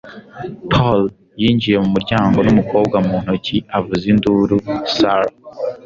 Paul yinjiye mu muryango n'umukobwa mu ntoki avuza induru, Sarah!